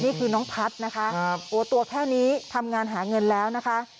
นี่คือน้องพัฒน์นะคะโอ้ตัวแค่นี้ทำงานหาเงินแล้วนะคะ